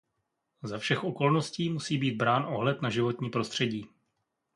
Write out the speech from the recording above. Za všech okolností musí být brán ohled na životní prostředí.